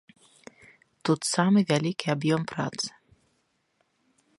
Тут самы вялікі аб'ём працы.